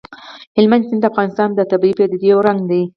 هلمند سیند د افغانستان د طبیعي پدیدو یو رنګ دی.